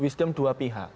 wisdom dua pihak